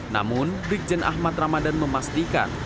namun brikjen ahmad ramadhan memastikan